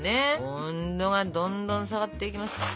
温度がどんどん下がっていきます。